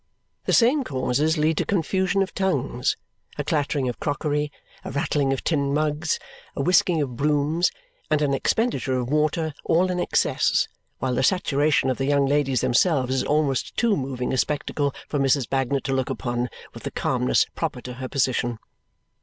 The same causes lead to confusion of tongues, a clattering of crockery, a rattling of tin mugs, a whisking of brooms, and an expenditure of water, all in excess, while the saturation of the young ladies themselves is almost too moving a spectacle for Mrs. Bagnet to look upon with the calmness proper to her position.